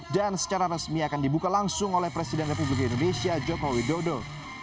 dan secara resmi akan dibuka langsung oleh presiden republik indonesia jokowi dodo